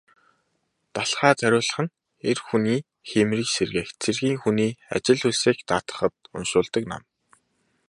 Далха тахиулах нь эр хүний хийморийг сэргээх, цэргийн хүний ажил үйлсийг даатгахад уншуулдаг ном.